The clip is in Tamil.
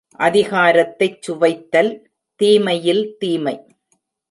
அதிகாரத்தைச் சுவைத்தல் தீமையில் தீமை.